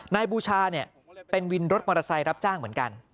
บูชาเป็นวินรถมอเตอร์ไซค์รับจ้างเหมือนกัน